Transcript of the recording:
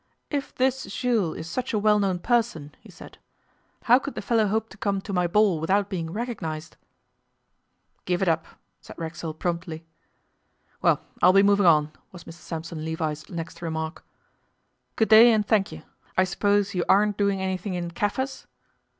'If this Jules is such a well known person,' he said, 'how could the feller hope to come to my ball without being recognized?' 'Give it up,' said Racksole promptly. 'Well, I'll be moving on,' was Mr Sampson Levi's next remark. 'Good day, and thank ye. I suppose you aren't doing anything in Kaffirs?